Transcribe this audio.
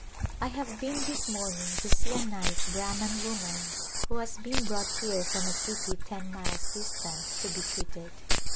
I have been this morning to see a nice Brahman woman who has been brought here from a city ten miles distant to be treated.